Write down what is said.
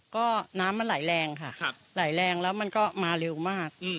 ก็น้ำมันไหลแรงค่ะไหลแรงแล้วมันก็มาเร็วมาก